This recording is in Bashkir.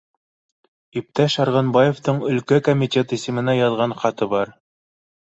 Иптәш Арғынбаевтың әлкә комитет исеменә яҙған хаты бар